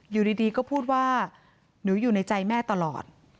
อยู่ดีก็พูดว่าหนูอยู่ในใจแม่ตลอด